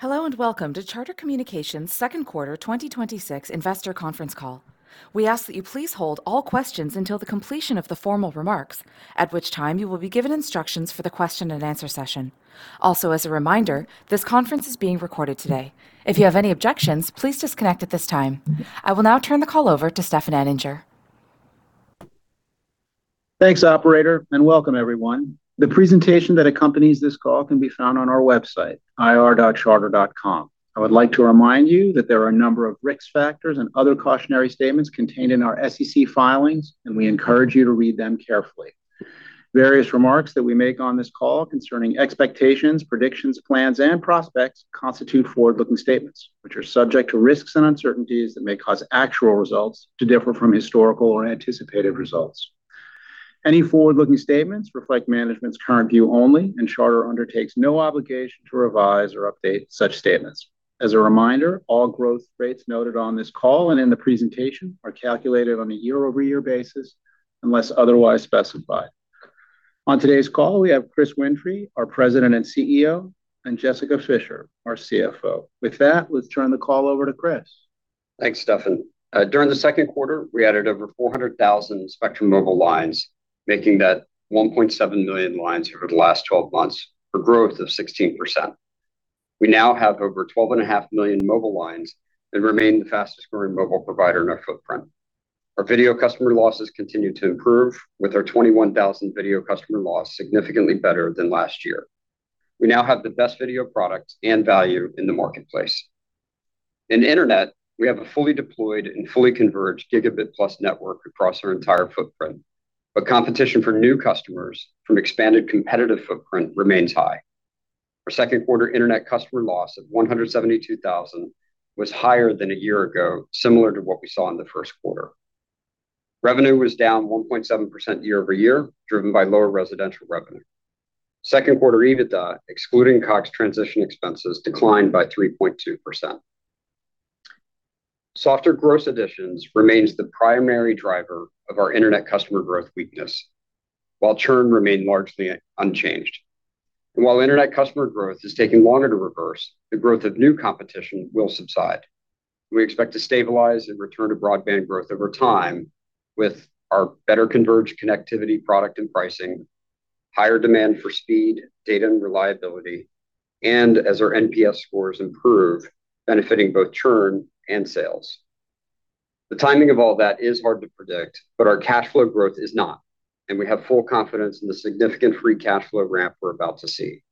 Hello, and welcome to Charter Communications' second quarter 2026 investor conference call. We ask that you please hold all questions until the completion of the formal remarks, at which time you will be given instructions for the question-and-answer session. Also, as a reminder, this conference is being recorded today. If you have any objections, please disconnect at this time. I will now turn the call over to Stefan Anninger. Thanks, operator, and welcome everyone. The presentation that accompanies this call can be found on our website, ir.charter.com. I would like to remind you that there are a number of risk factors and other cautionary statements contained in our SEC filings, and we encourage you to read them carefully. Various remarks that we make on this call concerning expectations, predictions, plans, and prospects constitute forward-looking statements, which are subject to risks and uncertainties that may cause actual results to differ from historical or anticipated results. Any forward-looking statements reflect management's current view only, and Charter undertakes no obligation to revise or update such statements. As a reminder, all growth rates noted on this call and in the presentation are calculated on a year-over-year basis unless otherwise specified. On today's call, we have Chris Winfrey, our President and CEO, and Jessica Fischer, our CFO. With that, let's turn the call over to Chris. Thanks, Stefan. During the second quarter, we added over 400,000 Spectrum Mobile lines, making that 1.7 million lines over the last 12 months, for growth of 16%. We now have over 12.5 million mobile lines and remain the fastest-growing mobile provider in our footprint. Our video customer losses continue to improve, with our 21,000 video customer loss significantly better than last year. We now have the best video product and value in the marketplace. In internet, we have a fully deployed and fully converged gigabit-plus network across our entire footprint. A competition for new customers from expanded competitive footprint remains high. Our second quarter internet customer loss of 172,000 was higher than a year ago, similar to what we saw in the first quarter. Revenue was down 1.7% year over year, driven by lower residential revenue. Second quarter EBITDA, excluding Cox transition expenses, declined by 3.2%. Softer gross additions remains the primary driver of our internet customer growth weakness, while churn remained largely unchanged. While internet customer growth is taking longer to reverse, the growth of new competition will subside. We expect to stabilize and return to broadband growth over time with our better converged connectivity product and pricing, higher demand for speed, data, and reliability, and as our NPS scores improve, benefiting both churn and sales. The timing of all that is hard to predict, our cash flow growth is not, and we have full confidence in the significant free cash flow ramp we're about to see.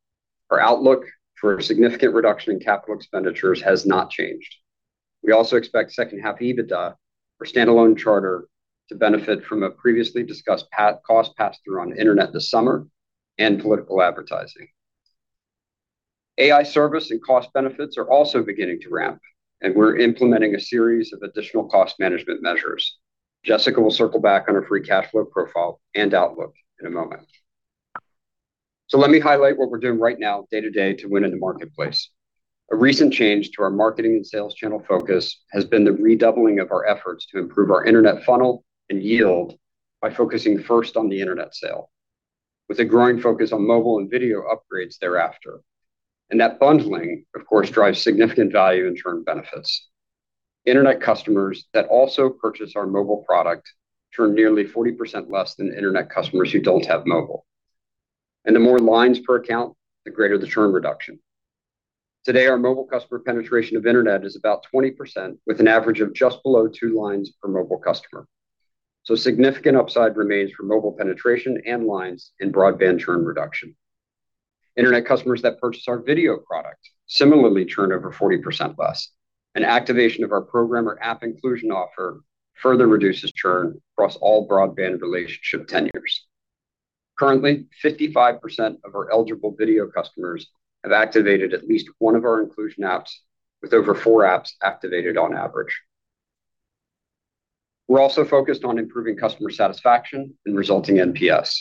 Our outlook for a significant reduction in capital expenditures has not changed. We also expect second half EBITDA for standalone Charter to benefit from a previously discussed cost pass-through on internet this summer and political advertising. AI service and cost benefits are also beginning to ramp, and we're implementing a series of additional cost management measures. Jessica will circle back on our free cash flow profile and outlook in a moment. Let me highlight what we're doing right now day-to-day to win in the marketplace. A recent change to our marketing and sales channel focus has been the redoubling of our efforts to improve our internet funnel and yield by focusing first on the internet sale, with a growing focus on mobile and video upgrades thereafter. That bundling, of course, drives significant value and churn benefits. Internet customers that also purchase our mobile product churn nearly 40% less than internet customers who don't have mobile. The more lines per account, the greater the churn reduction. Today, our mobile customer penetration of internet is about 20%, with an average of just below two lines per mobile customer. Significant upside remains for mobile penetration and lines in broadband churn reduction. Internet customers that purchase our video product similarly churn over 40% less. An activation of our programmer app inclusion offer further reduces churn across all broadband relationship tenures. Currently, 55% of our eligible video customers have activated at least one of our inclusion apps, with over four apps activated on average. We're also focused on improving customer satisfaction and resulting NPS.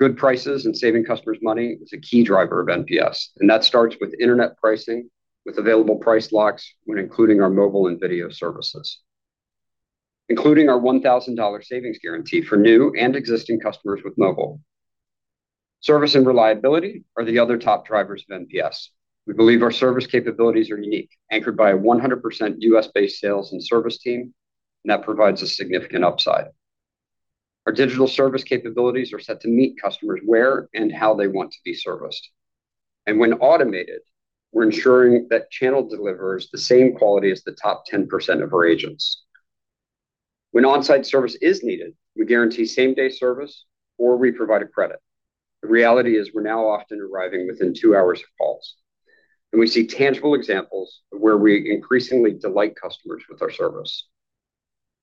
Good prices and saving customers money is a key driver of NPS, and that starts with internet pricing with available price locks when including our mobile and video services, including our $1,000 savings guarantee for new and existing customers with mobile. Service and reliability are the other top drivers of NPS. We believe our service capabilities are unique, anchored by a 100% U.S.-based sales and service team, That provides a significant upside. Our digital service capabilities are set to meet customers where and how they want to be serviced. When automated, we're ensuring that channel delivers the same quality as the top 10% of our agents. When on-site service is needed, we guarantee same-day service or we provide a credit. The reality is we're now often arriving within two hours of calls, We see tangible examples of where we increasingly delight customers with our service.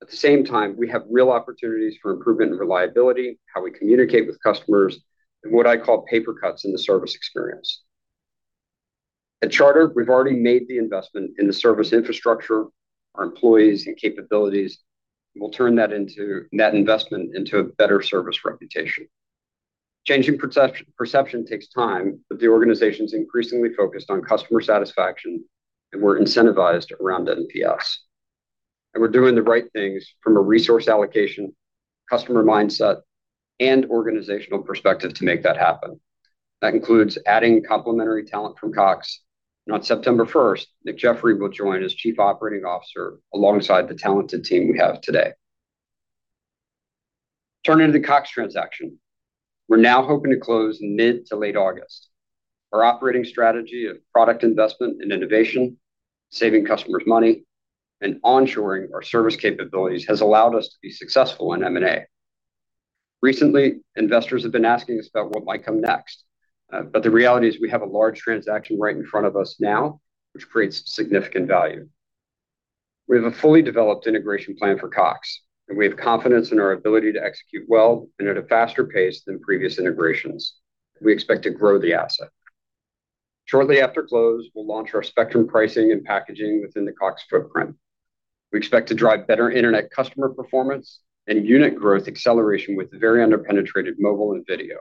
At the same time, we have real opportunities for improvement in reliability, how we communicate with customers, and what I call paper cuts in the service experience. At Charter, we've already made the investment in the service infrastructure, our employees, and capabilities. We'll turn that investment into a better service reputation. Changing perception takes time, the organizations increasingly focused on customer satisfaction, and we're incentivized around NPS. We're doing the right things from a resource allocation, customer mindset, and organizational perspective to make that happen. That includes adding complementary talent from Cox. On September 1st, Nick Jeffery will join as Chief Operating Officer alongside the talented team we have today. Turning to the Cox transaction, we're now hoping to close mid to late August. Our operating strategy of product investment and innovation, saving customers money, and onshoring our service capabilities has allowed us to be successful in M&A. Recently, investors have been asking us about what might come next. The reality is we have a large transaction right in front of us now, which creates significant value. We have a fully developed integration plan for Cox, and we have confidence in our ability to execute well and at a faster pace than previous integrations. We expect to grow the asset. Shortly after close, we'll launch our Spectrum pricing and packaging within the Cox footprint. We expect to drive better internet customer performance and unit growth acceleration with very under-penetrated mobile and video.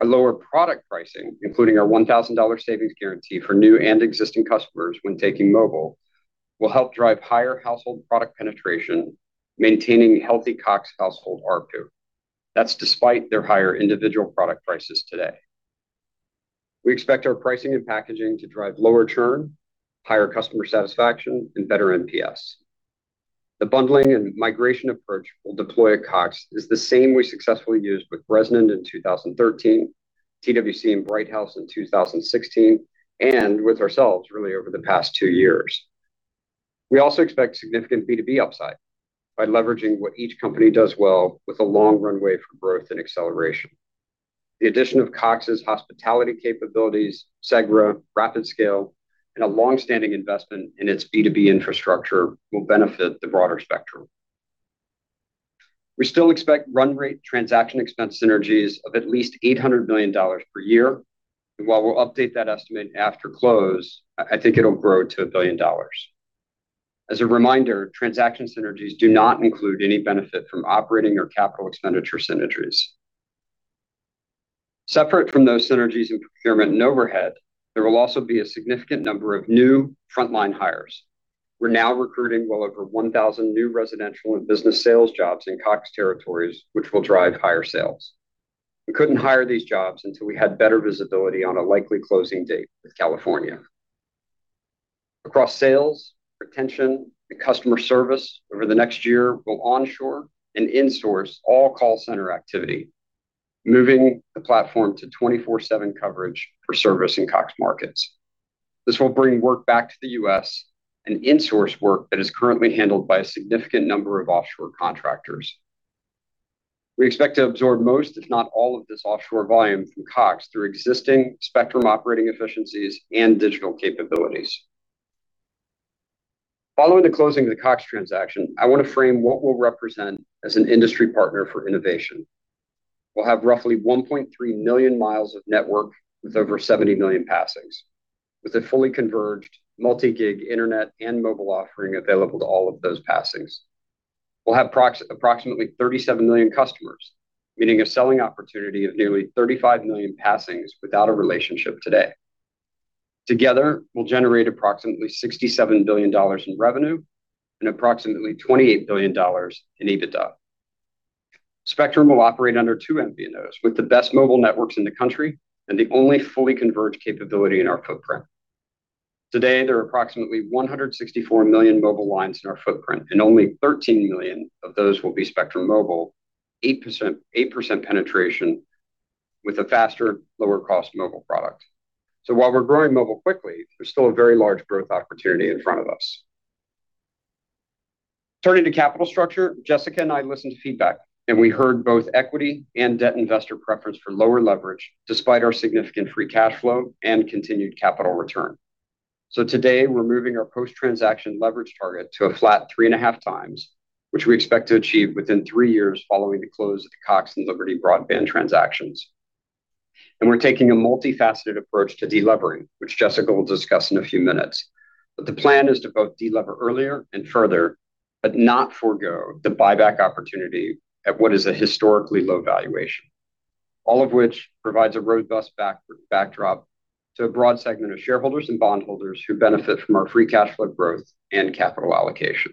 A lower product pricing, including our $1,000 savings guarantee for new and existing customers when taking mobile, will help drive higher household product penetration, maintaining healthy Cox household ARPU. That's despite their higher individual product prices today. We expect our pricing and packaging to drive lower churn, higher customer satisfaction, and better NPS. The bundling and migration approach we'll deploy at Cox is the same we successfully used with Bresnan in 2013, TWC and Bright House in 2016, and with ourselves really over the past two years. We also expect significant B2B upside by leveraging what each company does well with a long runway for growth and acceleration. The addition of Cox's hospitality capabilities, Segra, RapidScale, and a longstanding investment in its B2B infrastructure will benefit the broader Spectrum. We still expect run rate transaction expense synergies of at least $800 million per year, and while we'll update that estimate after close, I think it'll grow to $1 billion. As a reminder, transaction synergies do not include any benefit from operating or CapEx synergies. Separate from those synergies in procurement and overhead, there will also be a significant number of new frontline hires. We're now recruiting well over 1,000 new residential and business sales jobs in Cox territories, which will drive higher sales. We couldn't hire these jobs until we had better visibility on a likely closing date with California. Across sales, retention, and customer service over the next year, we'll onshore and insource all call center activity, moving the platform to 24/7 coverage for service in Cox markets. This will bring work back to the U.S. and insource work that is currently handled by a significant number of offshore contractors. We expect to absorb most, if not all of this offshore volume from Cox through existing Spectrum operating efficiencies and digital capabilities. Following the closing of the Cox transaction, I want to frame what we'll represent as an industry partner for innovation. We'll have roughly 1.3 million miles of network with over 70 million passings, with a fully converged multi-gig internet and mobile offering available to all of those passings. We'll have approximately 37 million customers, meaning a selling opportunity of nearly 35 million passings without a relationship today. Together, we'll generate approximately $67 billion in revenue and approximately $28 billion in EBITDA. Spectrum will operate under two MVNOs with the best mobile networks in the country and the only fully converged capability in our footprint. Today, there are approximately 164 million mobile lines in our footprint, and only 13 million of those will be Spectrum Mobile, 8% penetration with a faster, lower cost mobile product. While we're growing mobile quickly, there's still a very large growth opportunity in front of us. Turning to capital structure, Jessica and I listened to feedback. We heard both equity and debt investor preference for lower leverage despite our significant free cash flow and continued capital return. Today, we're moving our post-transaction leverage target to a flat three and a half times, which we expect to achieve within three years following the close of the Cox and Liberty Broadband transactions. We're taking a multifaceted approach to delevering, which Jessica will discuss in a few minutes. The plan is to both delever earlier and further, but not forgo the buyback opportunity at what is a historically low valuation. All of which provides a robust backdrop to a broad segment of shareholders and bondholders who benefit from our free cash flow growth and capital allocation.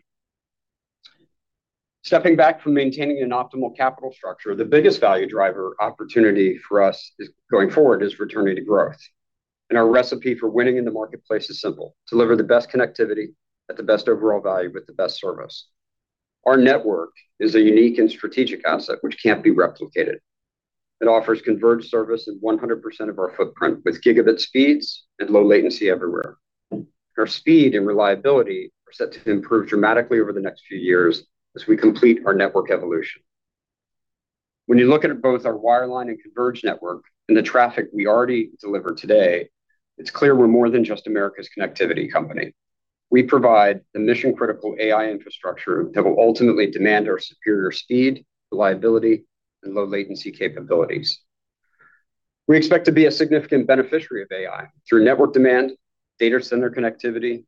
Stepping back from maintaining an optimal capital structure, the biggest value driver opportunity for us going forward is returning to growth. Our recipe for winning in the marketplace is simple: deliver the best connectivity at the best overall value with the best service. Our network is a unique and strategic asset which can't be replicated. It offers converged service in 100% of our footprint with gigabit speeds and low latency everywhere. Our speed and reliability are set to improve dramatically over the next few years as we complete our network evolution. When you look at both our wireline and converged network and the traffic we already deliver today, it's clear we're more than just America's connectivity company. We provide the mission-critical AI infrastructure that will ultimately demand our superior speed, reliability, and low latency capabilities. We expect to be a significant beneficiary of AI through network demand, data center connectivity,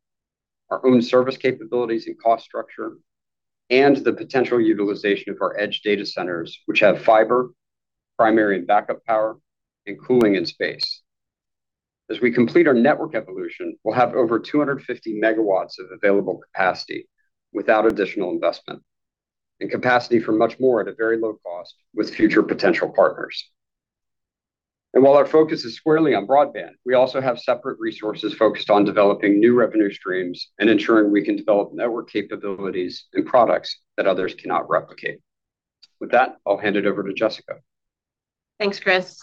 our own service capabilities and cost structure, and the potential utilization of our edge data centers, which have fiber, primary and backup power, and cooling in space. As we complete our network evolution, we'll have over 250 MW of available capacity without additional investment, and capacity for much more at a very low cost with future potential partners. While our focus is squarely on broadband, we also have separate resources focused on developing new revenue streams and ensuring we can develop network capabilities and products that others cannot replicate. With that, I'll hand it over to Jessica. Thanks, Chris.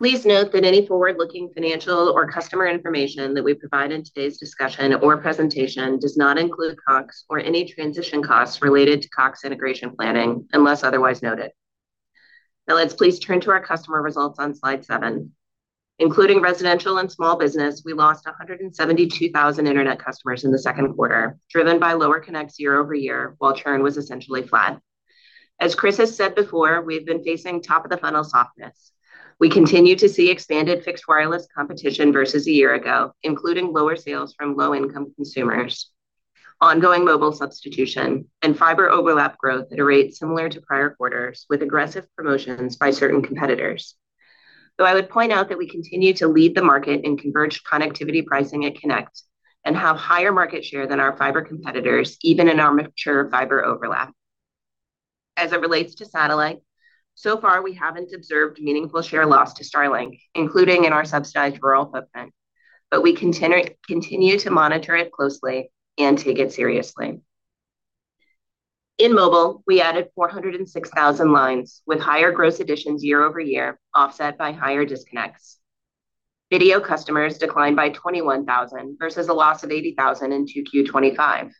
Please note that any forward-looking financial or customer information that we provide in today's discussion or presentation does not include Cox or any transition costs related to Cox integration planning, unless otherwise noted. Now let's please turn to our customer results on Slide 7. Including residential and small business, we lost 172,000 internet customers in the second quarter, driven by lower connects year-over-year, while churn was essentially flat. As Chris has said before, we have been facing top-of-the-funnel softness. We continue to see expanded fixed-wireless competition versus a year ago, including lower sales from low-income consumers, ongoing mobile substitution, and fiber overlap growth at a rate similar to prior quarters, with aggressive promotions by certain competitors. Though I would point out that we continue to lead the market in converged connectivity pricing at connect and have higher market share than our fiber competitors, even in our mature fiber overlap. As it relates to satellite, so far, we haven't observed meaningful share loss to Starlink, including in our subsidized rural footprint, but we continue to monitor it closely and take it seriously. In mobile, we added 406,000 lines, with higher gross additions year-over-year, offset by higher disconnects. Video customers declined by 21,000 versus a loss of 80,000 in 2Q25,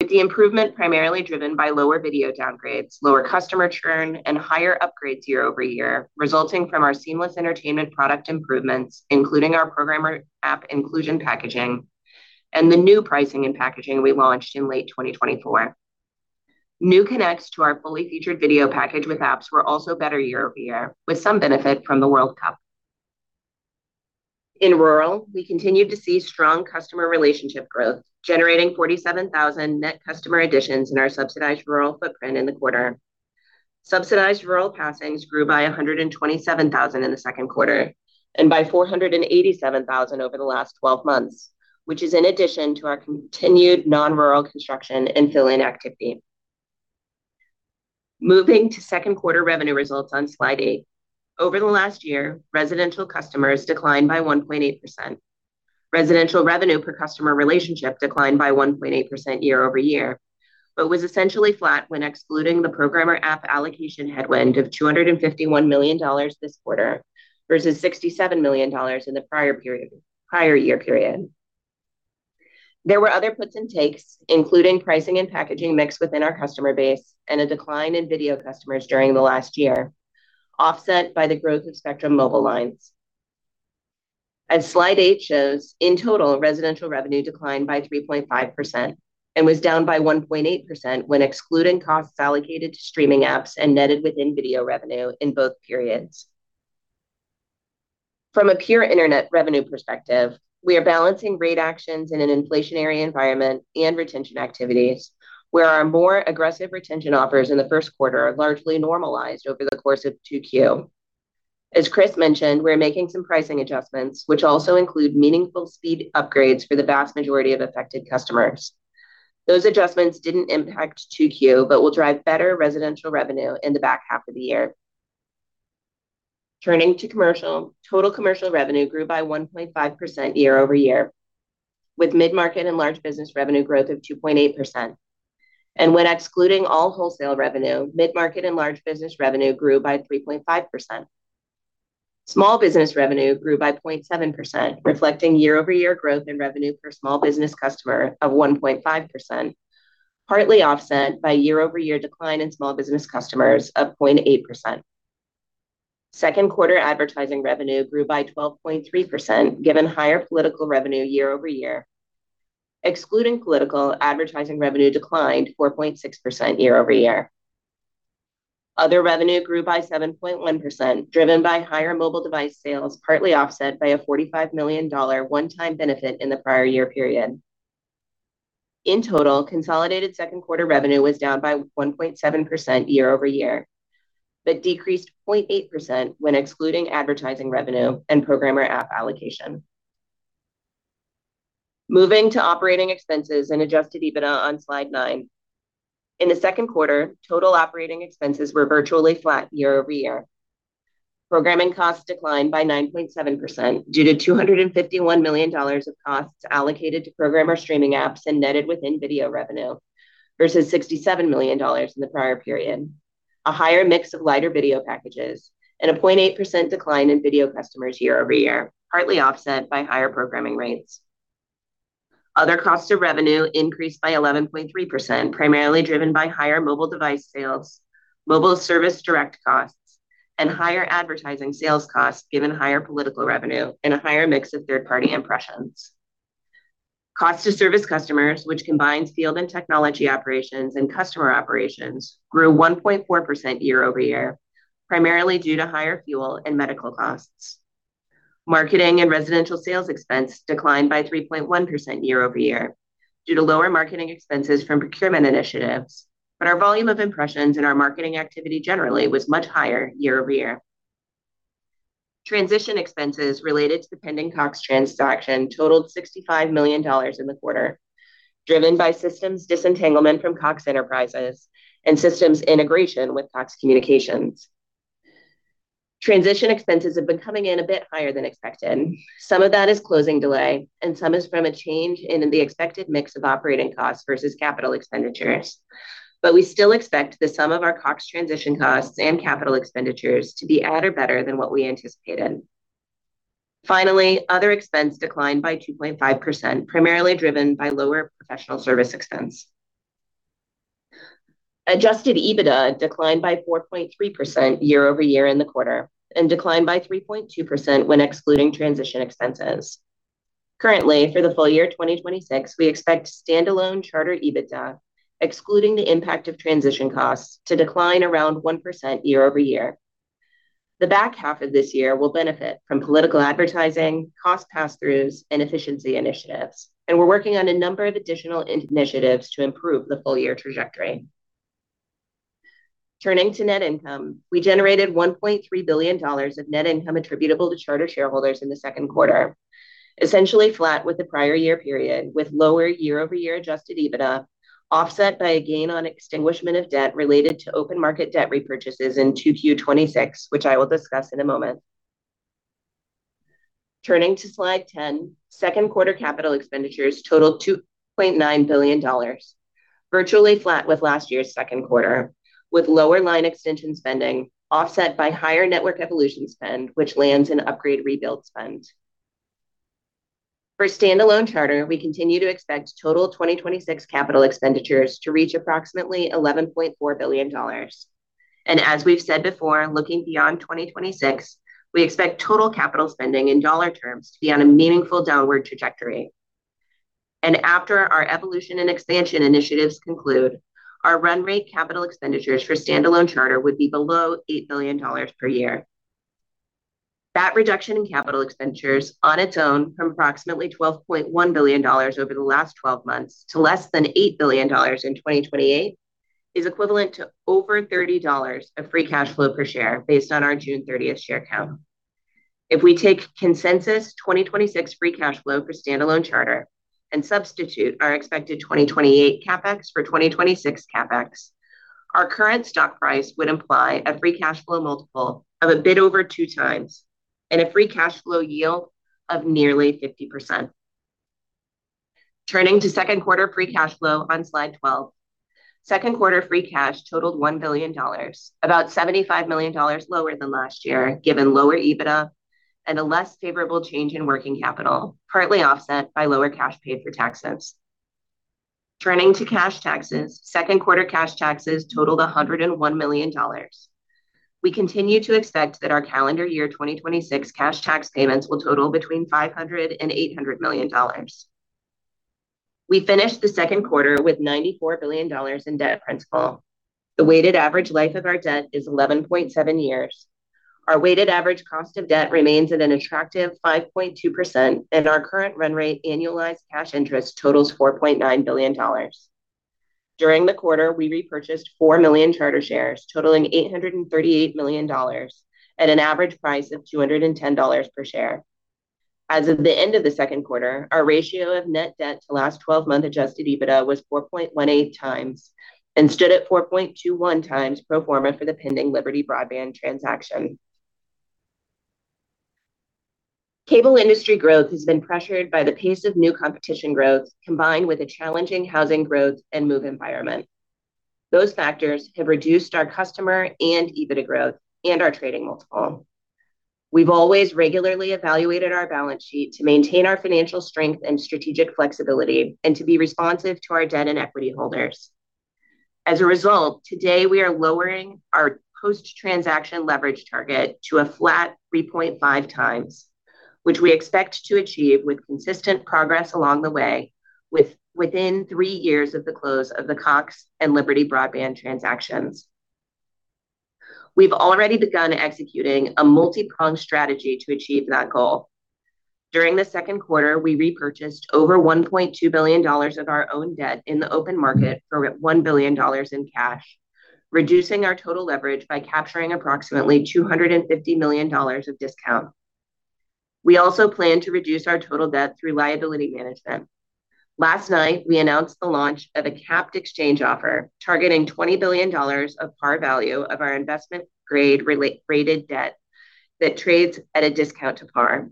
with the improvement primarily driven by lower video downgrades, lower customer churn, and higher upgrades year-over-year, resulting from our seamless entertainment product improvements, including our programmer app inclusion packaging and the new pricing and packaging we launched in late 2024. New connects to our fully featured video package with apps were also better year-over-year, with some benefit from the World Cup. In rural, we continued to see strong customer relationship growth, generating 47,000 net customer additions in our subsidized rural footprint in the quarter. Subsidized rural passings grew by 127,000 in the second quarter and by 487,000 over the last 12 months, which is in addition to our continued non-rural construction and fill-in activity. Moving to second quarter revenue results on Slide 8. Over the last year, residential customers declined by 1.8%. Residential revenue per customer relationship declined by 1.8% year-over-year but was essentially flat when excluding the programmer app allocation headwind of $251 million this quarter versus $67 million in the prior-year period. There were other puts and takes, including pricing and packaging mix within our customer base and a decline in video customers during the last year, offset by the growth of Spectrum Mobile lines. As Slide 8 shows, in total, residential revenue declined by 3.5% and was down by 1.8% when excluding costs allocated to streaming apps and netted within video revenue in both periods. From a pure internet revenue perspective, we are balancing rate actions in an inflationary environment and retention activities, where our more aggressive retention offers in the first quarter are largely normalized over the course of 2Q. As Chris mentioned, we're making some pricing adjustments, which also include meaningful speed upgrades for the vast majority of affected customers. Those adjustments didn't impact 2Q but will drive better residential revenue in the back half of the year. Turning to commercial, total commercial revenue grew by 1.5% year-over-year, with mid-market and large business revenue growth of 2.8%. When excluding all wholesale revenue, mid-market and large business revenue grew by 3.5%. Small business revenue grew by 0.7%, reflecting year-over-year growth in revenue per small business customer of 1.5%, partly offset by year-over-year decline in small business customers of 0.8%. Second quarter advertising revenue grew by 12.3%, given higher political revenue year-over-year. Excluding political, advertising revenue declined 4.6% year-over-year. Other revenue grew by 7.1%, driven by higher mobile device sales, partly offset by a $45 million one-time benefit in the prior year period. In total, consolidated second quarter revenue was down by 1.7% year-over-year, but decreased 0.8% when excluding advertising revenue and programmer app allocation. Moving to operating expenses and adjusted EBITDA on Slide 9. In the second quarter, total operating expenses were virtually flat year-over-year. Programming costs declined by 9.7% due to $251 million of costs allocated to programmer streaming apps and netted within video revenue, versus $67 million in the prior period. A higher mix of lighter video packages and a 0.8% decline in video customers year-over-year, partly offset by higher programming rates. Other costs of revenue increased by 11.3%, primarily driven by higher mobile device sales, mobile service direct costs, and higher advertising sales costs given higher political revenue and a higher mix of third-party impressions. Cost to service customers, which combines field and technology operations and customer operations, grew 1.4% year-over-year, primarily due to higher fuel and medical costs. Marketing and residential sales expense declined by 3.1% year-over-year. Due to lower marketing expenses from procurement initiatives, our volume of impressions and our marketing activity generally was much higher year-over-year. Transition expenses related to the pending Cox transaction totaled $65 million in the quarter, driven by systems disentanglement from Cox Enterprises and systems integration with Cox Communications. Transition expenses have been coming in a bit higher than expected. Some of that is closing delay, and some is from a change in the expected mix of operating costs versus capital expenditures. We still expect the sum of our Cox transition costs and capital expenditures to be at or better than what we anticipated. Finally, other expense declined by 2.5%, primarily driven by lower professional service expense. Adjusted EBITDA declined by 4.3% year-over-year in the quarter and declined by 3.2% when excluding transition expenses. Currently, for the full year 2026, we expect standalone Charter EBITDA, excluding the impact of transition costs, to decline around 1% year-over-year. The back half of this year will benefit from political advertising, cost pass-throughs, and efficiency initiatives, and we're working on a number of additional initiatives to improve the full year trajectory. Turning to net income, we generated $1.3 billion of net income attributable to Charter shareholders in the second quarter, essentially flat with the prior year period, with lower year-over-year adjusted EBITDA offset by a gain on extinguishment of debt related to open market debt repurchases in 2Q 2026, which I will discuss in a moment. Turning to Slide 10, second quarter capital expenditures totaled $2.9 billion, virtually flat with last year's second quarter, with lower line extension spending offset by higher network evolution spend, which lands in upgrade rebuild spend. For standalone Charter, we continue to expect total 2026 capital expenditures to reach approximately $11.4 billion. As we've said before, looking beyond 2026, we expect total capital spending in dollar terms to be on a meaningful downward trajectory. After our evolution and expansion initiatives conclude, our run rate capital expenditures for standalone Charter would be below $8 million per year. That reduction in capital expenditures on its own from approximately $12.1 billion over the last 12 months to less than $8 billion in 2028 is equivalent to over $30 of free cash flow per share based on our June 30th share count. If we take consensus 2026 free cash flow for standalone Charter and substitute our expected 2028 CapEx for 2026 CapEx, our current stock price would imply a free cash flow multiple of a bit over two times and a free cash flow yield of nearly 50%. Turning to second quarter free cash flow on Slide 12. Second quarter free cash totaled $1 billion, about $75 million lower than last year, given lower EBITDA and a less favorable change in working capital, partly offset by lower cash paid for taxes. Turning to cash taxes, second quarter cash taxes totaled $101 million. We continue to expect that our calendar year 2026 cash tax payments will total between $500 million and $800 million. We finished the second quarter with $94 billion in debt principal. The weighted average life of our debt is 11.7 years. Our weighted average cost of debt remains at an attractive 5.2%, and our current run rate annualized cash interest totals $4.9 billion. During the quarter, we repurchased 4 million Charter shares, totaling $838 million at an average price of $210 per share. As of the end of the second quarter, our ratio of net debt to last 12-month adjusted EBITDA was 4.18 times and stood at 4.21 times pro forma for the pending Liberty Broadband transaction. Cable industry growth has been pressured by the pace of new competition growth, combined with a challenging housing growth and move environment. Those factors have reduced our customer and EBITDA growth and our trading multiple. We've always regularly evaluated our balance sheet to maintain our financial strength and strategic flexibility and to be responsive to our debt and equity holders. As a result, today we are lowering our post-transaction leverage target to a flat 3.5 times, which we expect to achieve with consistent progress along the way, within three years of the close of the Cox and Liberty Broadband transactions. We've already begun executing a multi-pronged strategy to achieve that goal. During the second quarter, we repurchased over $1.2 billion of our own debt in the open market for $1 billion in cash, reducing our total leverage by capturing approximately $250 million of discount. We also plan to reduce our total debt through liability management. Last night, we announced the launch of a capped exchange offer targeting $20 billion of par value of our investment-grade rated debt that trades at a discount to par.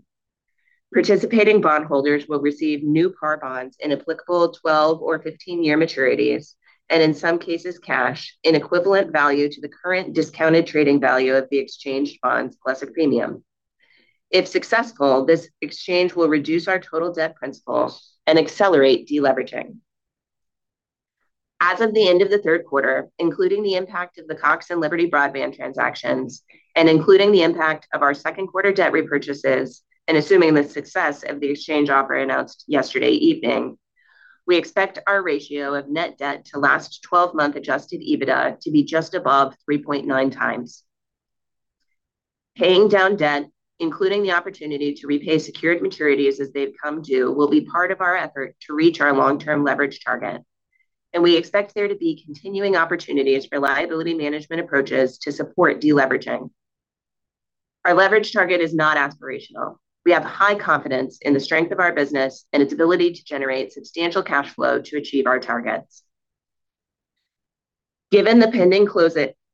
Participating bondholders will receive new par bonds in applicable 12 or 15-year maturities and in some cases, cash in equivalent value to the current discounted trading value of the exchanged bonds plus a premium. If successful, this exchange will reduce our total debt principal and accelerate deleveraging. As of the end of the third quarter, including the impact of the Cox and Liberty Broadband transactions and including the impact of our second quarter debt repurchases, and assuming the success of the exchange offer announced yesterday evening, we expect our ratio of net debt to last 12-month adjusted EBITDA to be just above 3.9 times. Paying down debt, including the opportunity to repay secured maturities as they've come due, will be part of our effort to reach our long-term leverage target, and we expect there to be continuing opportunities for liability management approaches to support de-leveraging. Our leverage target is not aspirational. We have high confidence in the strength of our business and its ability to generate substantial cash flow to achieve our targets. Given the pending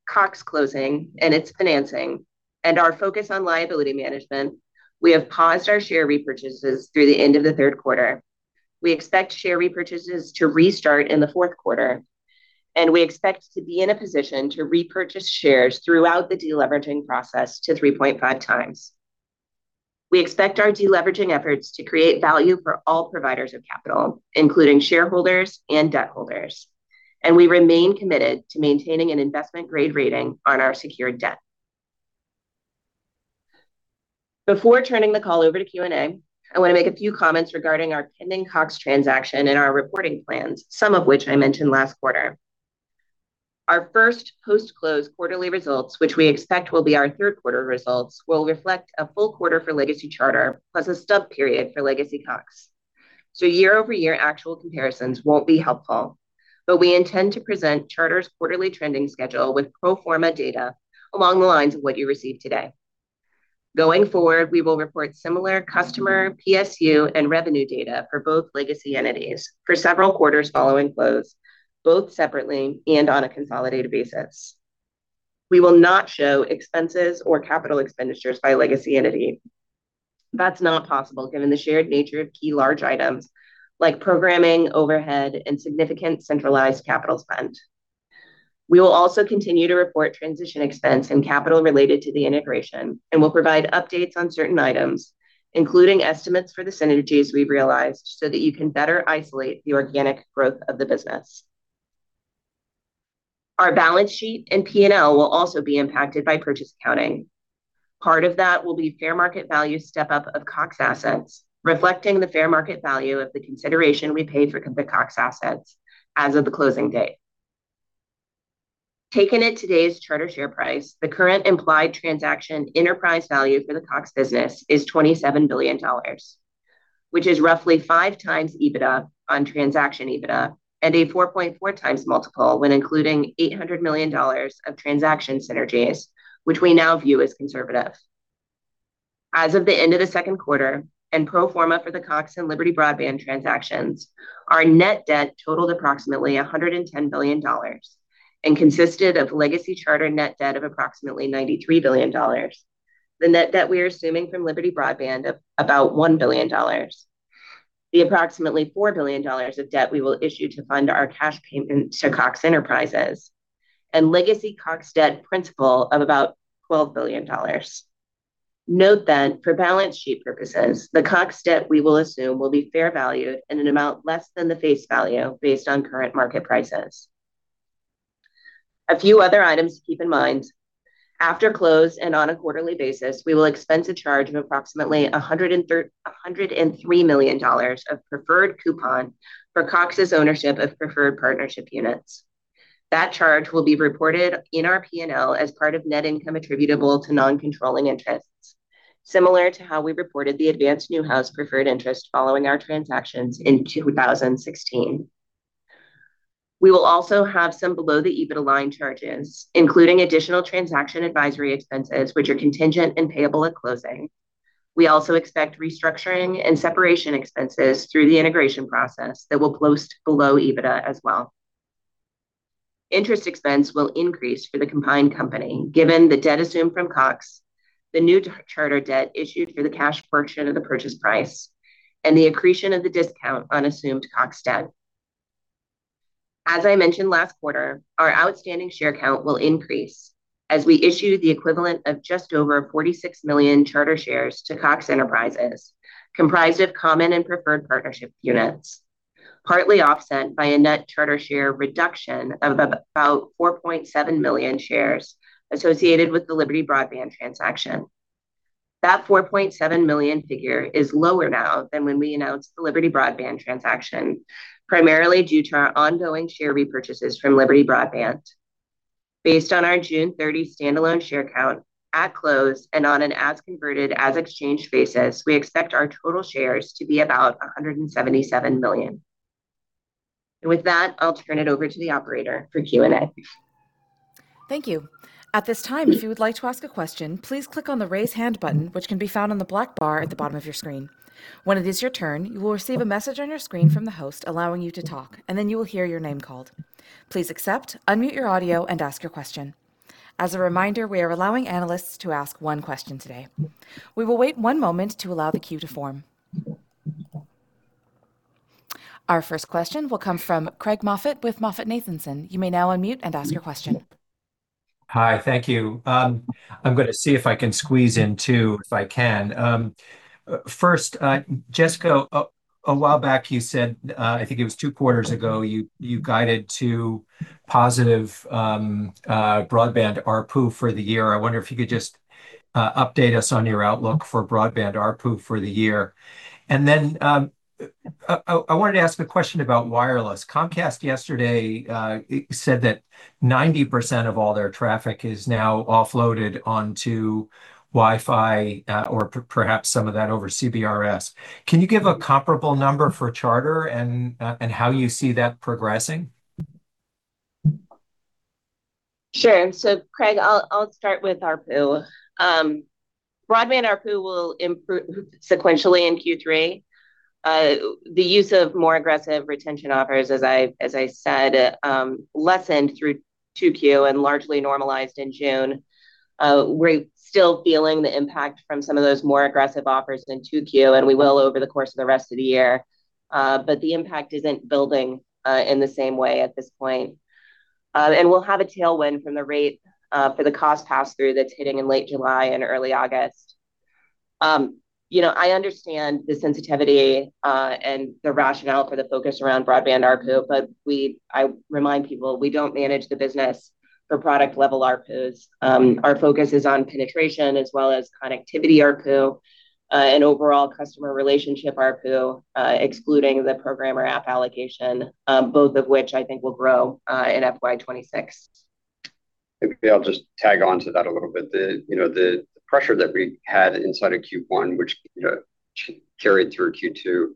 Cox closing and its financing and our focus on liability management, we have paused our share repurchases through the end of the third quarter. We expect share repurchases to restart in the fourth quarter, and we expect to be in a position to repurchase shares throughout the de-leveraging process to 3.5 times. We expect our de-leveraging efforts to create value for all providers of capital, including shareholders and debt holders, and we remain committed to maintaining an investment-grade rating on our secured debt. Before turning the call over to Q&A, I want to make a few comments regarding our pending Cox transaction and our reporting plans, some of which I mentioned last quarter. Our first post-close quarterly results, which we expect will be our third quarter results, will reflect a full quarter for Legacy Charter, plus a stub period for Legacy Cox. Year-over-year actual comparisons won't be helpful, but we intend to present Charter's quarterly trending schedule with pro forma data along the lines of what you received today. Going forward, we will report similar customer, PSU, and revenue data for both legacy entities for several quarters following close, both separately and on a consolidated basis. We will not show expenses or capital expenditures by legacy entity. That's not possible given the shared nature of key large items like programming, overhead, and significant centralized capital spend. We will also continue to report transition expense and capital related to the integration and will provide updates on certain items, including estimates for the synergies we've realized so that you can better isolate the organic growth of the business. Our balance sheet and P&L will also be impacted by purchase accounting. Part of that will be fair market value step-up of Cox assets, reflecting the fair market value of the consideration we paid for the Cox assets as of the closing date. Taken at today's Charter share price, the current implied transaction enterprise value for the Cox business is $27 billion, which is roughly five times EBITDA on transaction EBITDA and 4.4 times multiple when including $800 million of transaction synergies, which we now view as conservative. As of the end of the second quarter and pro forma for the Cox and Liberty Broadband transactions, our net debt totaled approximately $110 billion and consisted of Legacy Charter net debt of approximately $93 billion, the net debt we are assuming from Liberty Broadband of about $1 billion, the approximately $4 billion of debt we will issue to fund our cash payment to Cox Enterprises, and Legacy Cox debt principal of about $12 billion. Note that for balance sheet purposes, the Cox debt we will assume will be fair valued in an amount less than the face value based on current market prices. A few other items to keep in mind. After close and on a quarterly basis, we will expense a charge of approximately $103 million of preferred coupon for Cox's ownership of preferred partnership units. That charge will be reported in our P&L as part of net income attributable to non-controlling interests, similar to how we reported the Advance/Newhouse preferred interest following our transactions in 2016. We will also have some below the EBITDA line charges, including additional transaction advisory expenses, which are contingent and payable at closing. We also expect restructuring and separation expenses through the integration process that will post below EBITDA as well. Interest expense will increase for the combined company given the debt assumed from Cox, the new Charter debt issued for the cash portion of the purchase price, and the accretion of the discount on assumed Cox debt. As I mentioned last quarter, our outstanding share count will increase as we issue the equivalent of just over 46 million Charter shares to Cox Enterprises, comprised of common and preferred partnership units, partly offset by a net Charter share reduction of about 4.7 million shares associated with the Liberty Broadband transaction. That 4.7 million figure is lower now than when we announced the Liberty Broadband transaction, primarily due to our ongoing share repurchases from Liberty Broadband. Based on our June 30 standalone share count at close and on an as converted, as exchanged basis, we expect our total shares to be about 177 million. With that, I'll turn it over to the operator for Q&A. Thank you. At this time, if you would like to ask a question, please click on the Raise Hand button, which can be found on the black bar at the bottom of your screen. When it is your turn, you will receive a message on your screen from the host allowing you to talk, and then you will hear your name called. Please accept, unmute your audio, and ask your question. As a reminder, we are allowing analysts to ask one question today. We will wait one moment to allow the queue to form. Our first question will come from Craig Moffett with MoffettNathanson. You may now unmute and ask your question. Hi. Thank you. I'm going to see if I can squeeze in two if I can. First, Jessica, a while back you said, I think it was two quarters ago, you guided to positive broadband ARPU for the year. I wonder if you could just update us on your outlook for broadband ARPU for the year. I wanted to ask a question about wireless. Comcast yesterday said that 90% of all their traffic is now offloaded onto Wi-Fi, or perhaps some of that over CBRS. Can you give a comparable number for Charter and how you see that progressing? Sure. Craig, I'll start with ARPU. Broadband ARPU will improve sequentially in Q3. The use of more aggressive retention offers, as I said, lessened through 2Q and largely normalized in June. We're still feeling the impact from some of those more aggressive offers in 2Q, and we will over the course of the rest of the year. The impact isn't building in the same way at this point. We'll have a tailwind from the rate for the cost pass-through that's hitting in late July and early August. I understand the sensitivity and the rationale for the focus around broadband ARPU, I remind people, we don't manage the business for product level ARPUs. Our focus is on penetration as well as connectivity ARPU, and overall customer relationship ARPU, excluding the program or app allocation, both of which I think will grow in FY 2026. Maybe I'll just tag onto that a little bit. The pressure that we had inside of Q1, which carried through Q2,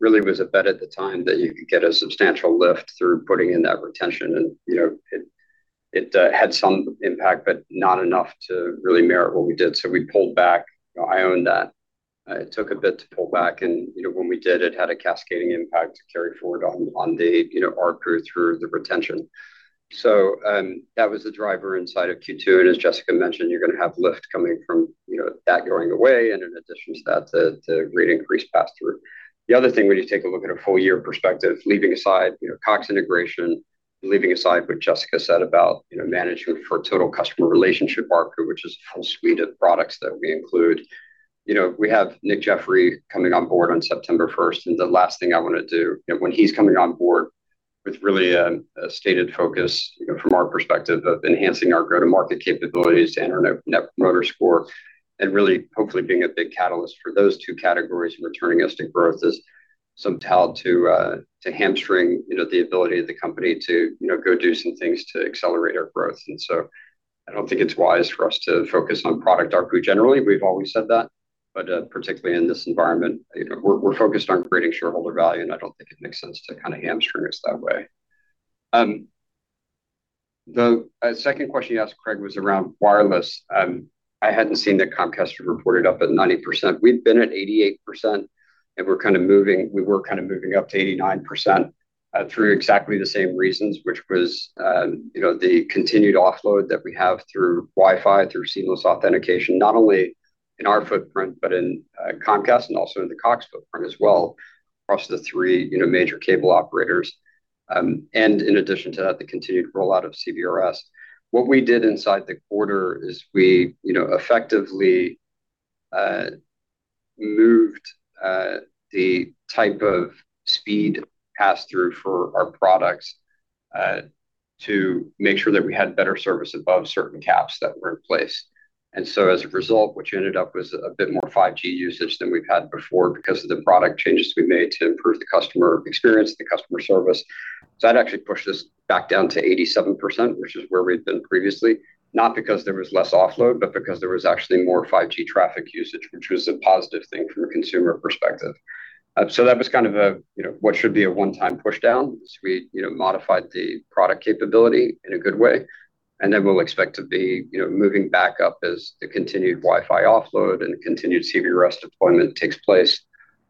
really was a bet at the time that you could get a substantial lift through putting in that retention. It had some impact, but not enough to really merit what we did. We pulled back. I own that. It took a bit to pull back and, when we did, it had a cascading impact to carry forward on the ARPU through the retention. That was the driver inside of Q2, and as Jessica mentioned, you're going to have lift coming from that going away and in addition to that, the rate increases pass-through. The other thing, when you take a look at a full year perspective, leaving aside Cox integration, leaving aside what Jessica said about management for total customer relationship ARPU, which is a full suite of products that we include. We have Nick Jeffery coming on board on September 1st. The last thing I want to do when he's coming on board with really a stated focus from our perspective of enhancing our go-to-market capabilities and our Net Promoter Score, and really hopefully being a big catalyst for those two categories. Returning us to growth is some tell to hamstring the ability of the company to go do some things to accelerate our growth. I don't think it's wise for us to focus on product ARPU generally. We've always said that, but particularly in this environment, we're focused on creating shareholder value, and I don't think it makes sense to kind of hamstring us that way. The second question you asked, Craig, was around wireless. I hadn't seen that Comcast had reported up at 90%. We've been at 88% and we were kind of moving up to 89% through exactly the same reasons, which was the continued offload that we have through Wi-Fi, through seamless authentication, not only in our footprint, but in Comcast and also in the Cox footprint as well, across the three major cable operators. In addition to that, the continued rollout of CBRS. What we did inside the quarter is we effectively moved the type of speed pass-through for our products, to make sure that we had better service above certain caps that were in place. As a result, what you ended up was a bit more 5G usage than we've had before because of the product changes we made to improve the customer experience, the customer service. That actually pushed us back down to 87%, which is where we'd been previously, not because there was less offload, but because there was actually more 5G traffic usage, which was a positive thing from a consumer perspective. That was what should be a one-time pushdown, as we modified the product capability in a good way, and then we'll expect to be moving back up as the continued Wi-Fi offload and the continued CBRS deployment takes place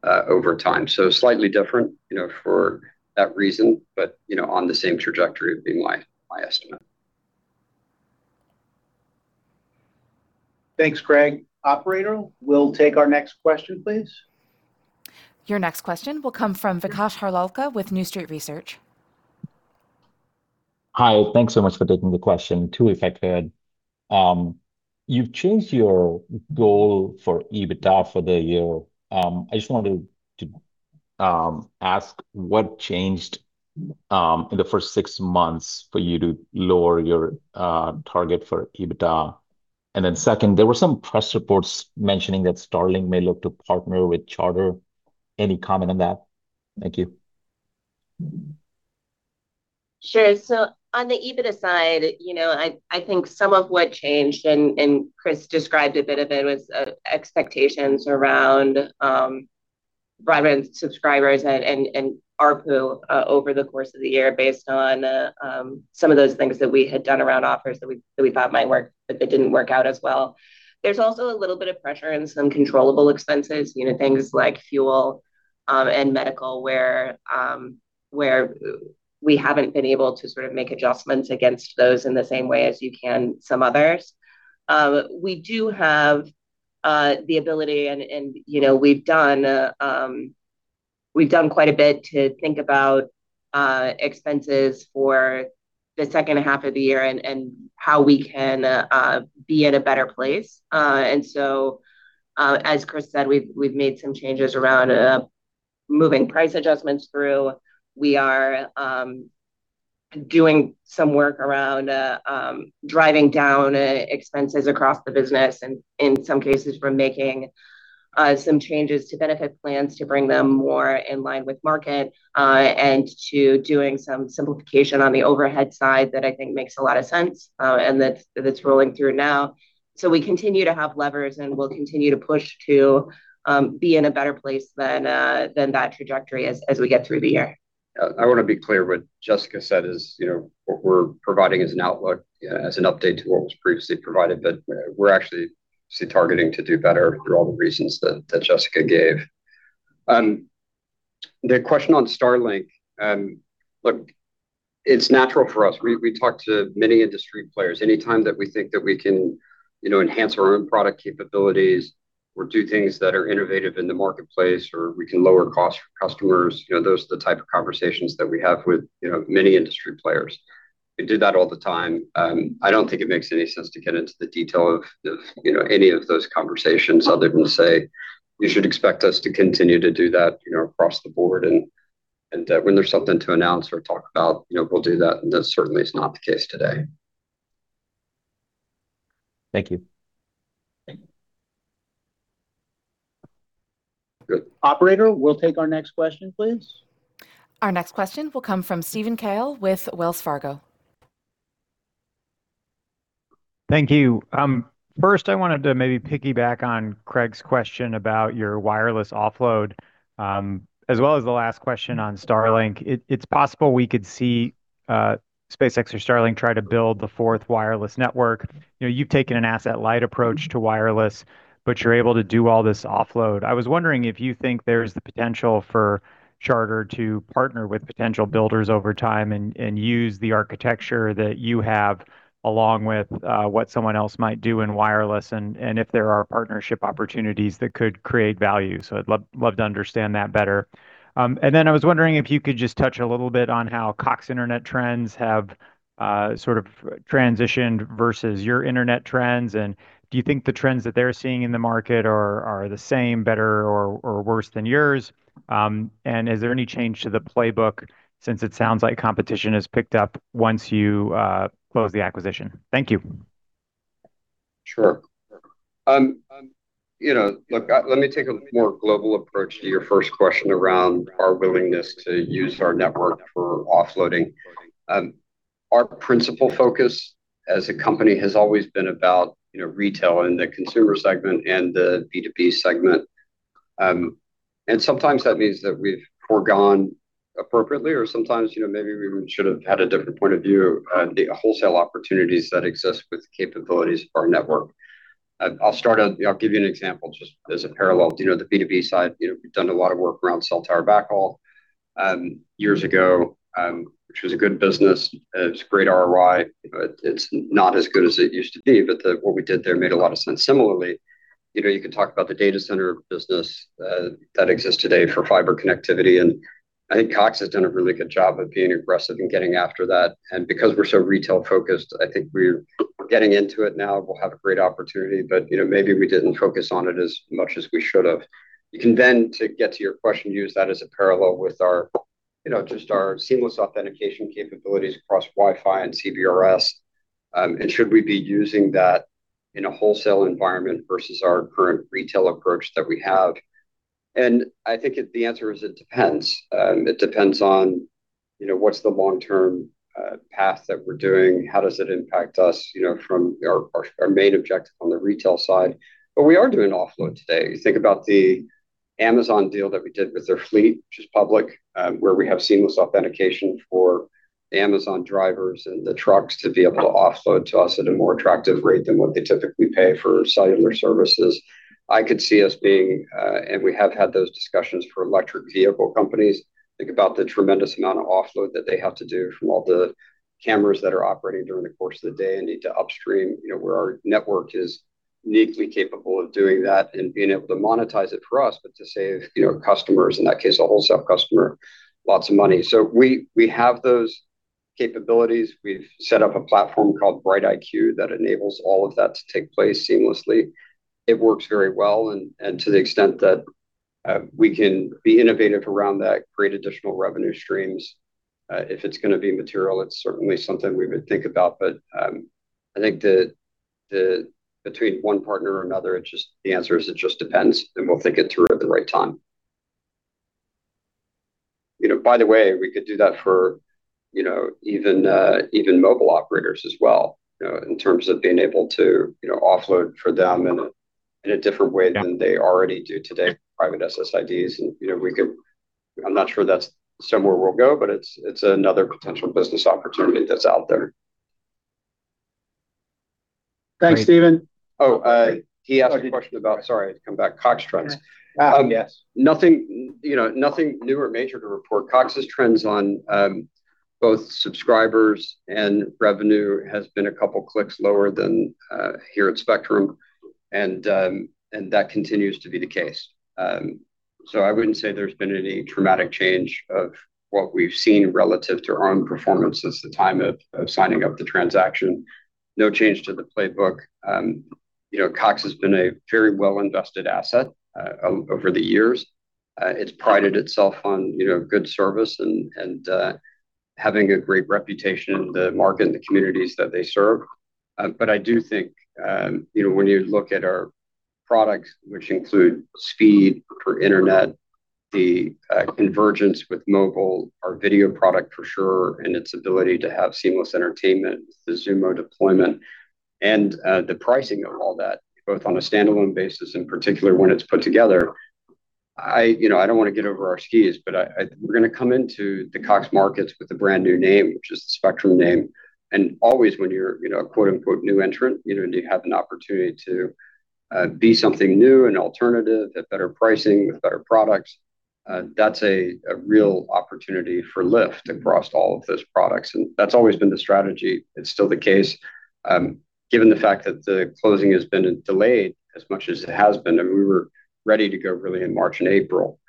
over time. Slightly different for that reason, but on the same trajectory would be my estimate. Thanks, Craig. Operator, we'll take our next question, please. Your next question will come from Vikash Harlalka with New Street Research. Hi, thanks so much for taking the question. Two, if I could. You've changed your goal for EBITDA for the year. I just wanted to ask what changed in the first six months for you to lower your target for EBITDA. There were some press reports mentioning that Starlink may look to partner with Charter. Any comment on that? Thank you. Sure. On the EBITDA side, I think some of what changed, and Chris described a bit of it, was expectations around broadband subscribers and ARPU over the course of the year based on some of those things that we had done around offers that we thought might work, but they didn't work out as well. There's also a little bit of pressure in some controllable expenses, things like fuel and medical, where we haven't been able to sort of make adjustments against those in the same way as you can some others. We do have the ability, and we've done quite a bit to think about expenses for the second half of the year and how we can be in a better place. As Chris said, we've made some changes around moving price adjustments through. We are Doing some work around driving down expenses across the business, and in some cases, we're making some changes to benefit plans to bring them more in line with market, and to doing some simplification on the overhead side that I think makes a lot of sense, and that's rolling through now. We continue to have levers, and we'll continue to push to be in a better place than that trajectory as we get through the year. I want to be clear, what Jessica said is, what we're providing as an outlook, as an update to what was previously provided, but we're actually targeting to do better through all the reasons that Jessica gave. The question on Starlink. Look, it's natural for us. We talk to many industry players. Anytime that we think that we can enhance our own product capabilities or do things that are innovative in the marketplace, or we can lower costs for customers, those are the type of conversations that we have with many industry players. We do that all the time. I don't think it makes any sense to get into the detail of any of those conversations other than to say you should expect us to continue to do that across the board. When there's something to announce or talk about, we'll do that, and that certainly is not the case today. Thank you. Thank you. Good. Operator, we'll take our next question, please. Our next question will come from Steven Cahall with Wells Fargo. Thank you. First, I wanted to maybe piggyback on Craig's question about your wireless offload, as well as the last question on Starlink. It's possible we could see SpaceX or Starlink try to build the fourth wireless network. You've taken an asset light approach to wireless, but you're able to do all this offload. I was wondering if you think there's the potential for Charter to partner with potential builders over time and use the architecture that you have along with what someone else might do in wireless, and if there are partnership opportunities that could create value. I'd love to understand that better. I was wondering if you could just touch a little bit on how Cox Internet trends have sort of transitioned versus your internet trends, do you think the trends that they're seeing in the market are the same, better, or worse than yours? Is there any change to the playbook since it sounds like competition has picked up once you close the acquisition? Thank you. Sure. Look, let me take a more global approach to your first question around our willingness to use our network for offloading. Our principal focus as a company has always been about retail in the consumer segment and the B2B segment. Sometimes that means that we've foregone appropriately or sometimes, maybe we should have had a different point of view on the wholesale opportunities that exist with capabilities of our network. I'll give you an example just as a parallel. The B2B side, we've done a lot of work around cell tower backhaul, years ago, which was a good business. It was great ROI. It's not as good as it used to be, but what we did there made a lot of sense. Similarly, you can talk about the data center business that exists today for fiber connectivity, I think Cox has done a really good job of being aggressive and getting after that. Because we're so retail focused, I think we're getting into it now. We'll have a great opportunity, but maybe we didn't focus on it as much as we should have. You can then, to get to your question, use that as a parallel with just our seamless authentication capabilities across Wi-Fi and CBRS, should we be using that in a wholesale environment versus our current retail approach that we have? I think the answer is it depends. It depends on what's the long-term path that we're doing, how does it impact us from our main objective on the retail side, but we are doing offload today. You think about the Amazon deal that we did with their fleet, which is public, where we have seamless authentication for Amazon drivers and the trucks to be able to offload to us at a more attractive rate than what they typically pay for cellular services. I could see us being, and we have had those discussions for electric vehicle companies, think about the tremendous amount of offload that they have to do from all the cameras that are operating during the course of the day and need to upstream, where our network is uniquely capable of doing that and being able to monetize it for us, but to save customers, in that case, a wholesale customer, lots of money. We have those capabilities. We've set up a platform called BrightIQ that enables all of that to take place seamlessly. It works very well, to the extent that we can be innovative around that, create additional revenue streams. If it's going to be material, it's certainly something we would think about. I think between one partner or another, the answer is it just depends, and we'll think it through at the right time. By the way, we could do that for even mobile operators as well, in terms of being able to offload for them in a different way than they already do today, private SSIDs, and I'm not sure that's somewhere we'll go, but it's another potential business opportunity that's out there. Thanks, Steven. He asked a question about, sorry, to come back, Cox trends. Yes. Nothing new or major to report. Cox's trends on both subscribers and revenue has been a couple clicks lower than here at Spectrum, and that continues to be the case. I wouldn't say there's been any dramatic change of what we've seen relative to our own performance since the time of signing up the transaction. No change to the playbook. Cox has been a very well-invested asset over the years. It's prided itself on good service and having a great reputation in the market and the communities that they serve. I do think when you look at our products, which include speed for internet, the convergence with mobile, our video product for sure, and its ability to have seamless entertainment with the Xumo deployment and the pricing of all that, both on a standalone basis, in particular when it's put together. I don't want to get over our skis, we're going to come into the Cox markets with a brand new name, which is the Spectrum name. Always when you're a quote unquote "new entrant," you have an opportunity to be something new and alternative at better pricing with better products. That's a real opportunity for lift across all of those products, and that's always been the strategy. It's still the case. Given the fact that the closing has been delayed as much as it has been, we were ready to go really in March and April,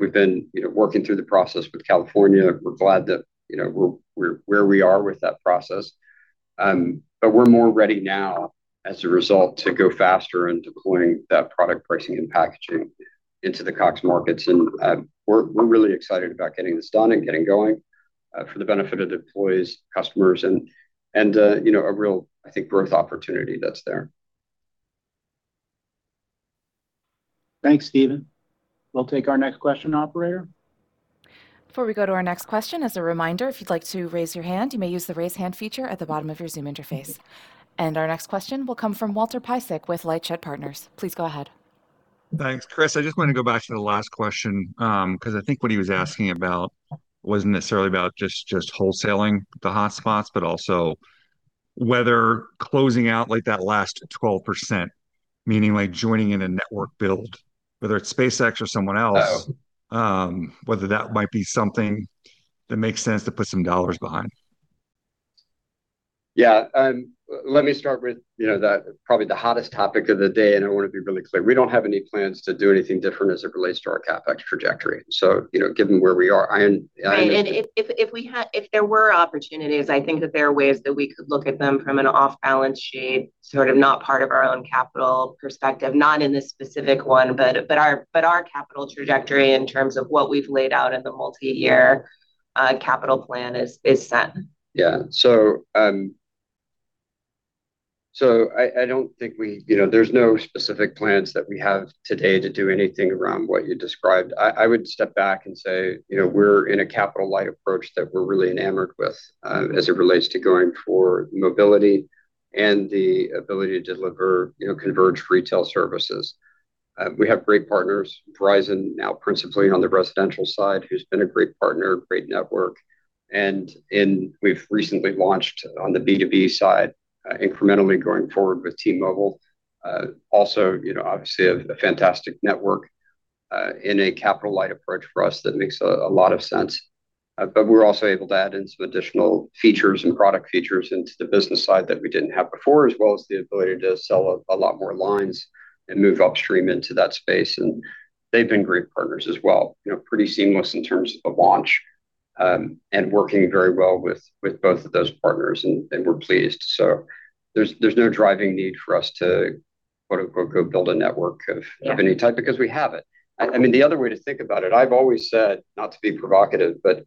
we've been working through the process with California. We're glad that we're where we are with that process. We're more ready now as a result to go faster in deploying that product pricing and packaging into the Cox markets. We're really excited about getting this done and getting going for the benefit of the employees, customers, and a real, I think, growth opportunity that's there. Thanks, Steven. We'll take our next question, operator. Before we go to our next question, as a reminder, if you'd like to raise your hand, you may use the raise hand feature at the bottom of your Zoom interface. Our next question will come from Walter Piecyk with LightShed Partners. Please go ahead. Thanks, Chris. I just want to go back to the last question, because I think what he was asking about wasn't necessarily about just wholesaling the hotspots, but also whether closing out that last 12%, meaning like joining in a network build, whether it's SpaceX or someone else. Oh Whether that might be something that makes sense to put some dollars behind. Yeah. Let me start with probably the hottest topic of the day. I want to be really clear. We don't have any plans to do anything different as it relates to our CapEx trajectory. Given where we are. Right. If there were opportunities, I think that there are ways that we could look at them from an off-balance sheet, sort of not part of our own capital perspective, not in this specific one, but our capital trajectory in terms of what we've laid out in the multi-year capital plan is set. Yeah. I don't think there's no specific plans that we have today to do anything around what you described. I would step back and say we're in a capital light approach that we're really enamored with as it relates to going for mobility and the ability to deliver converged retail services. We have great partners, Verizon now principally on the residential side, who's been a great partner, great network. We've recently launched on the B2B side, incrementally going forward with T-Mobile. Also, obviously, a fantastic network in a capital light approach for us that makes a lot of sense. We're also able to add in some additional features and product features into the business side that we didn't have before, as well as the ability to sell a lot more lines and move upstream into that space. They've been great partners as well. Pretty seamless in terms of the launch, working very well with both of those partners, and we're pleased. There's no driving need for us to quote unquote "go build a network of any type because we have it." I mean, the other way to think about it, I've always said, not to be provocative, but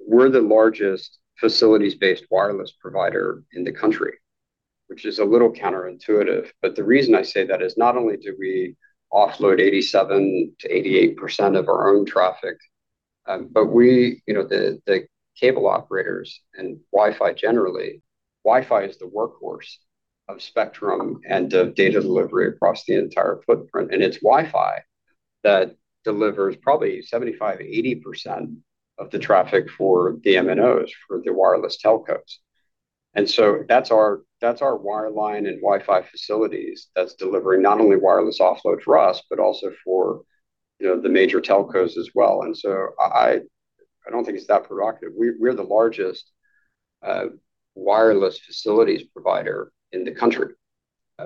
we're the largest facilities-based wireless provider in the country, which is a little counterintuitive. The reason I say that is not only do we offload 87%-88% of our own traffic, but the cable operators and Wi-Fi generally, Wi-Fi is the workhorse of Spectrum and of data delivery across the entire footprint. It's Wi-Fi that delivers probably 75%-80% of the traffic for the MNOs, for the wireless telcos. That's our wireline and Wi-Fi facilities that's delivering not only wireless offload for us, but also for the major telcos as well. I don't think it's that provocative. We're the largest wireless facilities provider in the country,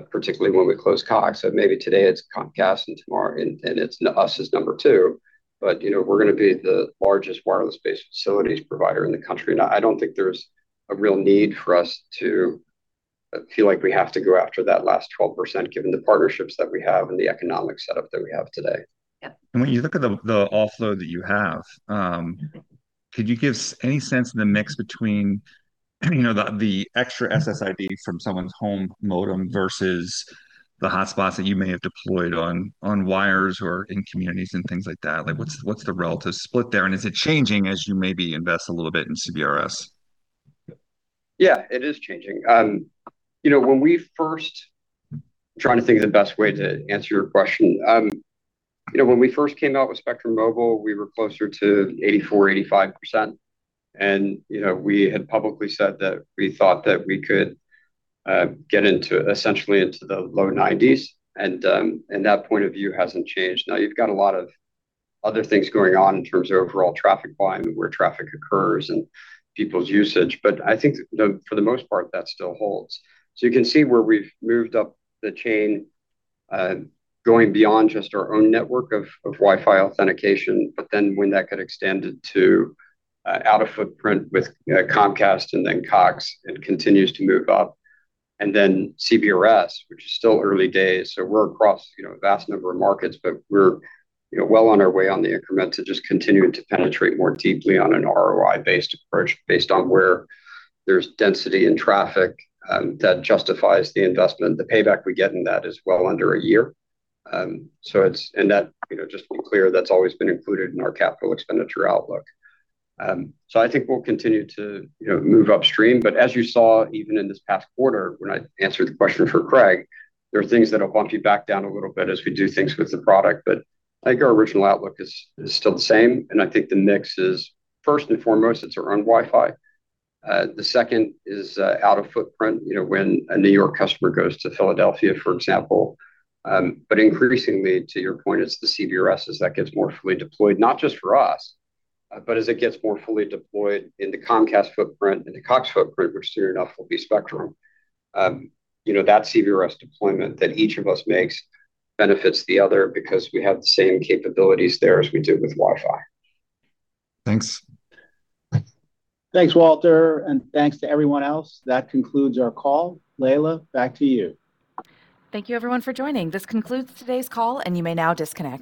particularly when we close Cox. Maybe today it's Comcast and us is number 2, but we're going to be the largest wireless-based facilities provider in the country. I don't think there's a real need for us to feel like we have to go after that last 12%, given the partnerships that we have and the economic setup that we have today. Yeah. When you look at the offload that you have, could you give any sense of the mix between the extra SSID from someone's home modem versus the hotspots that you may have deployed on wires or in communities and things like that? What's the relative split there, and is it changing as you maybe invest a little bit in CBRS? Yeah, it is changing. I'm trying to think of the best way to answer your question. When we first came out with Spectrum Mobile, we were closer to 84%, 85%. We had publicly said that we thought that we could get essentially into the low 90s, and that point of view hasn't changed. You've got a lot of other things going on in terms of overall traffic volume, where traffic occurs, and people's usage. I think for the most part, that still holds. You can see where we've moved up the chain, going beyond just our own network of Wi-Fi authentication, but then when that could extend it to out of footprint with Comcast and then Cox, it continues to move up. CBRS, which is still early days, so we're across a vast number of markets, but we're well on our way on the increments and just continuing to penetrate more deeply on an ROI-based approach based on where there's density and traffic that justifies the investment. The payback we get in that is well under a year. Just to be clear, that's always been included in our capital expenditure outlook. I think we'll continue to move upstream, but as you saw even in this past quarter when I answered the question for Craig, there are things that'll bump you back down a little bit as we do things with the product. I think our original outlook is still the same, and I think the mix is, first and foremost, it's our own Wi-Fi. The second is out of footprint, when a New York customer goes to Philadelphia, for example. Increasingly to your point, it's the CBRS as that gets more fully deployed, not just for us, but as it gets more fully deployed in the Comcast footprint and the Cox footprint, which soon enough will be Spectrum. That CBRS deployment that each of us makes benefits the other because we have the same capabilities there as we do with Wi-Fi. Thanks. Thanks, Walter, and thanks to everyone else. That concludes our call. Leila, back to you. Thank you everyone for joining. This concludes today's call, and you may now disconnect.